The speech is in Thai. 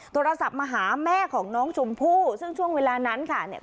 โทรศัพท์มาหาแม่ของน้องชมพู่ซึ่งช่วงเวลานั้นค่ะเนี่ย